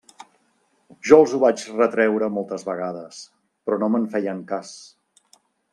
Jo els ho vaig retreure moltes vegades, però no me'n feien cas.